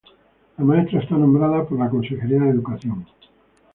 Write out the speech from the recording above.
La maestra está nombrada por la Consejería de Educación.